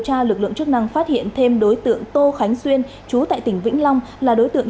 tra lực lượng chức năng phát hiện thêm đối tượng tô khánh xuyên chú tại tỉnh vĩnh long là đối tượng